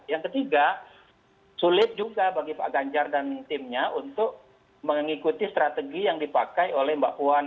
yang ketiga sulit juga bagi pak ganjar dan timnya untuk mengikuti strategi yang dipakai oleh mbak puan